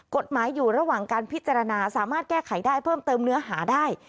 กฎหมายอยู่ระหว่างการพิจารณาสามารถแก้ไขได้เพิ่มเติมเนื้อหาได้